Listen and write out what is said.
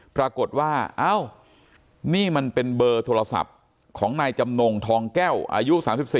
ปรากฏว่าอ้าวนี่มันเป็นเบอร์โทรศัพท์ของนายจำนงทองแก้วอายุ๓๔